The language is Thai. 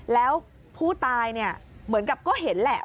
แล้วผู้ตายเนี่ยเหมือนกับก็เห็นแหละ